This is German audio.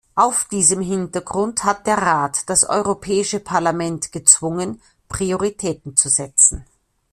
Auf diesem Hintergrund hat der Rat das Europäische Parlament gezwungen, Prioritäten zu setzen.